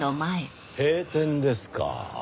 閉店ですか。